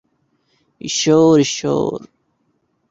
ঈশ্বর, ঈশ্বর।